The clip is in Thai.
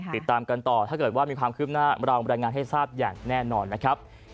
ติดตามกันต่อถ้าเกิดว่ามีความคืบหน้าเราบรรยายงานให้ทราบอย่างแน่นอนนะครับ